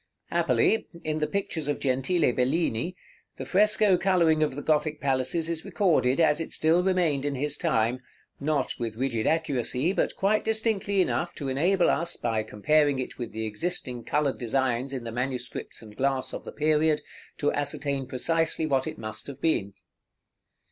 Happily, in the pictures of Gentile Bellini, the fresco coloring of the Gothic palaces is recorded, as it still remained in his time; not with rigid accuracy, but quite distinctly enough to enable us, by comparing it with the existing colored designs in the manuscripts and glass of the period, to ascertain precisely what it must have been.